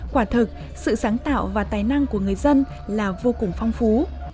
quả thực sự sáng tạo và tài năng của người dân là vô cùng phong phú